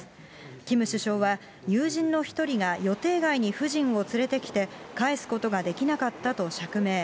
キム首相は、友人の一人が予定外に夫人を連れてきて、帰すことができなかったと釈明。